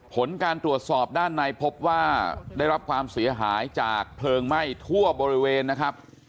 ผลการตรวจสอบด้านในพบว่าได้รับความเสียหายจากเพลิงไหม้ทั่วบริเวณนะครับ